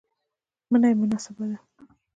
منی مناسبه ده